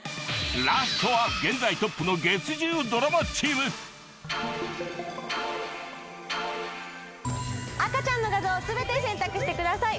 ラストは現在トップの赤ちゃんの画像を全て選択してください。